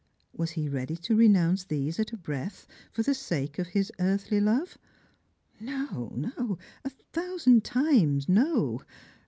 Was he ready to renounce these at a breath, for the sake of his earthly love ? No, a thousand times no